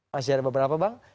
masih ada beberapa bang